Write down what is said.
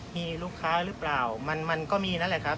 มีลูกค้าหรือเปล่ามันก็มีนั่นแหละครับ